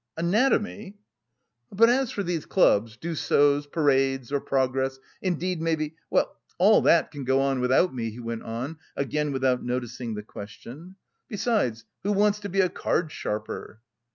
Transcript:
"Anatomy?" "But as for these clubs, Dussauts, parades, or progress, indeed, maybe well, all that can go on without me," he went on, again without noticing the question. "Besides, who wants to be a card sharper?"